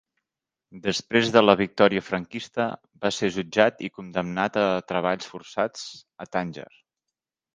Després de la victòria franquista va ser jutjat i condemnat a treballs forçats a Tànger.